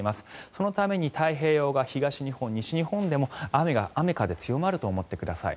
そのために太平洋側東日本、西日本でも雨風強まると思ってください。